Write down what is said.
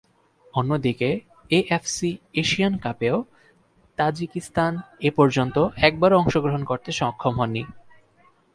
অন্যদিকে, AFC Asian কাপেও Tajikistan এপর্যন্ত একবারও অংশগ্রহণ করতে সক্ষম হয়নি।